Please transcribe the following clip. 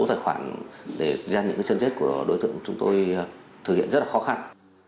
số tài khoản để gian những cái chân chết của đối tượng chúng tôi thực hiện rất là khó khăn